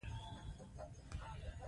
د اورېدنې پرته اقدام ناسم دی.